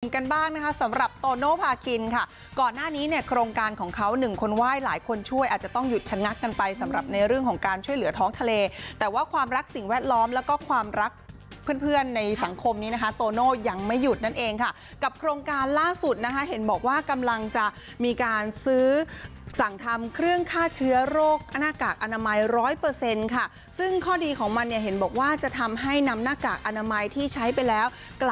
กันบ้างนะคะสำหรับโตโนพาคินค่ะก่อนหน้านี้เนี่ยโครงการของเขา๑คนไหว้หลายคนช่วยอาจจะต้องหยุดชะงักกันไปสำหรับในเรื่องของการช่วยเหลือท้องทะเลแต่ว่าความรักสิ่งแวดล้อมแล้วก็ความรักเพื่อนในสังคมนี้นะคะโตโนยังไม่หยุดนั่นเองค่ะกับโครงการล่าสุดนะคะเห็นบอกว่ากำลังจะมีการซื้อสั่งทำเครื่องฆ่าเ